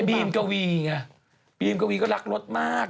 ไอ้บีมเกาวีไงบีมเกาวีก็รักรถมาก